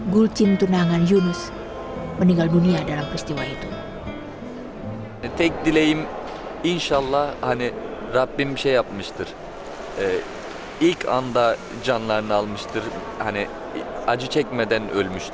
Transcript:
gulcim tunangan yunus meninggal dunia dalam peristiwa itu